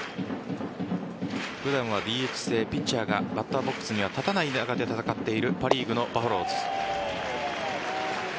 普段はＤＨ制ピッチャーがバッターボックスには立たない中で戦っているパ・リーグのバファローズ。